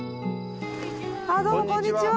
どうもこんにちは。